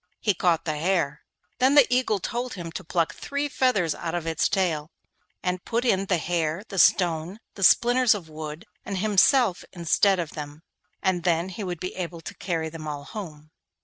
He caught the hare. Then the Eagle told him to pluck three feathers out of its tail, and put in the hare, the stone, the splinters of wood and himself instead of them, and then he would be able to carry them all home.